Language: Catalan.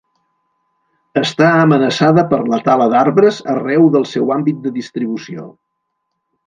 Està amenaçada per la tala d'arbres arreu del seu àmbit de distribució.